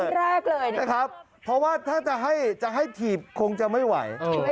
แรกเลยนะครับเพราะว่าถ้าจะให้ถีบคงจะไม่ไหว